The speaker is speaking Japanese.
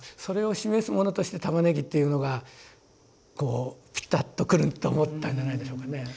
それを示すものとして「玉ねぎ」っていうのがこうぴたっとくると思ったんじゃないでしょうかね。